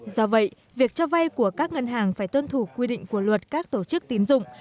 do vậy việc cho vay của các ngân hàng phải tuân thủ quy định của luật các tổ chức tín dụng